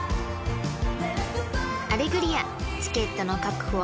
［『アレグリア』チケットの確保はお早めに］